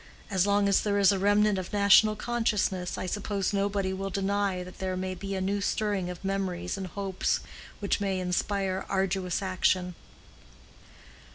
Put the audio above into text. As long as there is a remnant of national consciousness, I suppose nobody will deny that there may be a new stirring of memories and hopes which may inspire arduous action."